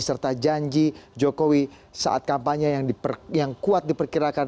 serta janji jokowi saat kampanye yang kuat diperkirakan